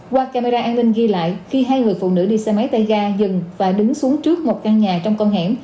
qua camera an ninh ghi lại khi hai người phụ nữ đi xe máy tay ga dừng và đứng xuống trước một căn nhà trong con hẻm